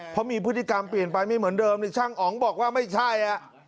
เพราะมีพฤติกรรมเปลี่ยนไปไม่เหมือนเดิมช่างอ๋องบอกว่าไม่ใช่